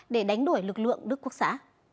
để đánh đuổi lực lượng đức quốc xã